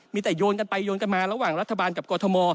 มีแต่โยนกันไปโยนกันมาระหว่างรัฐบาลกับกรทม